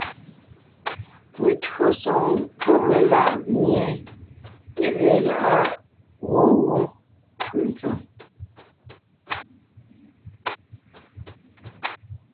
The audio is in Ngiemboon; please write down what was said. Meÿǒsoŋ pɔ́ melá’ mie é ge lá’a gwɔ̂ wó fʉʼ ntsèm :